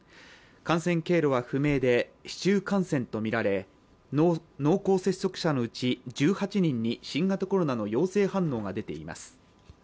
感染経路は不明で市中感染とみられ濃厚接触者のうち、１８人に新型コロナの陽性反応が出ています。